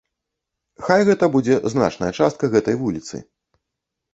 Хай гэта будзе значная частка гэтай вуліцы.